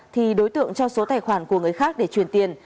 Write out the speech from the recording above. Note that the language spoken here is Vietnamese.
thì đối tượng cho số tài khoản của người khác để chuyển tiền